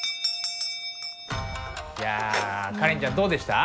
いやカレンちゃんどうでした？